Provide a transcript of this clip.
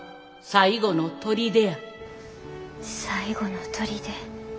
最後のとりで。